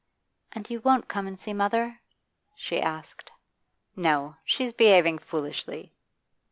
'And you won't come and see mother?' she asked. 'No. She's behaving foolishly.